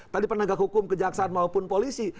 tadi penegak hukum kejaksaan maupun polisi